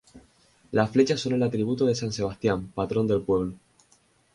Las flechas son el atributo de san Sebastián, patrón del pueblo.